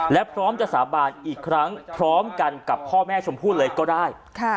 และพร้อมจะสาบานอีกครั้งพร้อมกันกับพ่อแม่ชมพู่เลยก็ได้